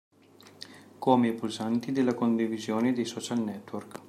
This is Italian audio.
Come i pulsanti di condivisione dei social network.